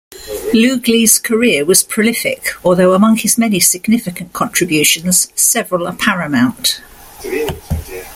Lugli's career was prolific, although among his many significant contributions, several are paramount.